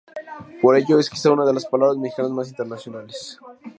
Por ello, es quizás una de las palabras mexicanas más internacionales.